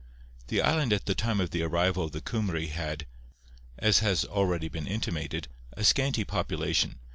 The island at the time of the arrival of the Cymry had, as has already been intimated, a scanty population.